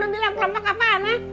lu bilang kelompok apaan ya